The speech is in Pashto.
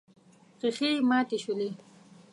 ښيښې ماتې شولې.